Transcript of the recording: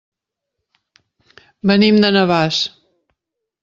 Venim de Navàs.